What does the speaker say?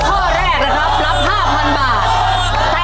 ข้อแรกนะครับรับ๕๐๐๐บาท